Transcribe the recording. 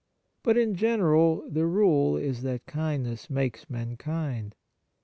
But, in general, the rule is that kindness makes men kind.